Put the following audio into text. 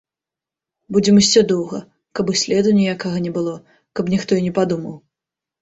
Будзем ісці доўга, каб і следу ніякага не было, каб ніхто і не падумаў.